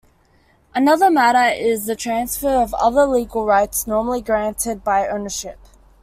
Another matter is the transfer of other legal rights normally granted by ownership.